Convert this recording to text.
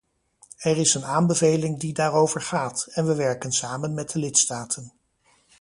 Er is een aanbeveling die daarover gaat, en we werken samen met de lidstaten.